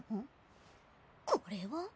これは？